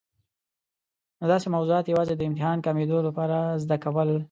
نو داسي موضوعات یوازي د امتحان کامیابېدو لپاره زده کول.